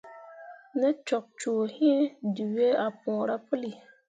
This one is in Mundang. Ne cok cuu hĩĩ, dǝwe ah puura puli.